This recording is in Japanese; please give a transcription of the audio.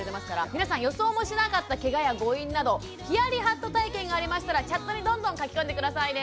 皆さん予想もしなかったケガや誤飲などヒヤリハット体験がありましたらチャットにどんどん書き込んで下さいね。